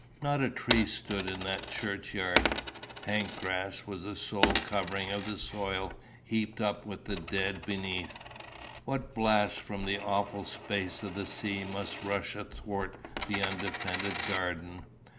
Not a tree stood in that churchyard. Hank grass was the sole covering of the soil heaved up with the dead beneath. What blasts from the awful space of the sea must rush athwart the undefended garden!